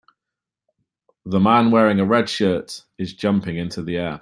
The man wearing a red shirt, is jumping into the air.